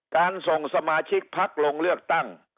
ส่งสมาชิกพักลงเลือกตั้ง